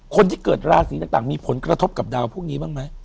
คนที่เกิดราศีต่างมีผลกระทบกับดาวพวกนี้บ้างไหม